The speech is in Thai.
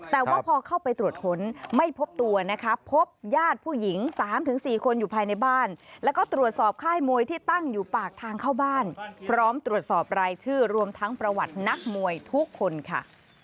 แต่ว่าพอเข้าไปตรวจค้นไม่พบตัวนะคะพบญาติผู้หญิง๓๔คนอยู่ภายในบ้านแล้วก็ตรวจสอบค่ายมวยที่ตั้งอยู่ปากทางเข้าบ้านพร้อมตรวจสอบรายชื่อรวมทั้งประวัตินักมวยทุกคนค่ะ